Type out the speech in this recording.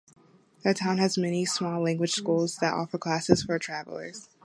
The town has many small language schools that offer classes for travelers.